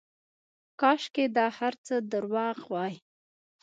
کاشکې دا هرڅه درواغ واى.